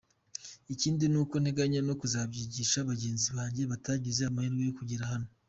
Ikindi nuko nteganya no kuzabyigisha bagenzi banjye batagize amahirwe yo kugera hano.